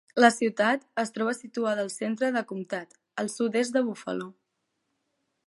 La ciutat es troba situada al centre del comtat, al sud-est de Buffalo.